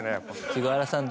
菅原さん